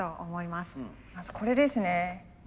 まずこれですね。